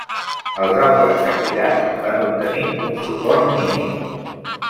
Els altres candidats en van obtenir un suport mínim.